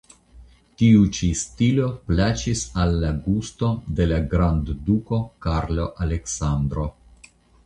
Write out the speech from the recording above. Tiu ĉi stilo plaĉis al la gusto de grandduko Karlo Aleksandro.